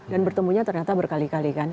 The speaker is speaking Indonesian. dan bertemunya ternyata berkali kali